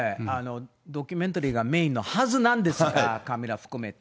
ドキュメンタリーがメインのはずなんですが、カミラ含めて。